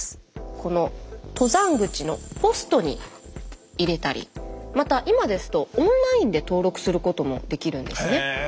この登山口のポストに入れたりまた今ですとオンラインで登録することもできるんですね。